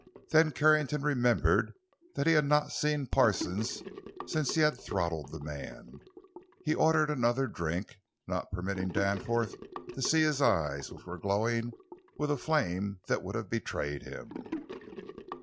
Then Carrington remembered that he had not seen Parsons since he had throttled the man. He ordered another drink, not permitting Danforth to see his eyes, which were glowing with a flame that would have betrayed him.